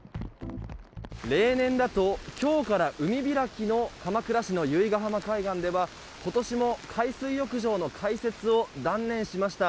例年だと今日から海開きの鎌倉市の由比ガ浜海岸では今年も海水浴場の開設を断念しました。